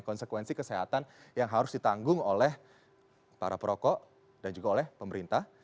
konsekuensi kesehatan yang harus ditanggung oleh para perokok dan juga oleh pemerintah